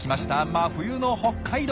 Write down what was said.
真冬の北海道。